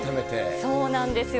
そうなんですよ。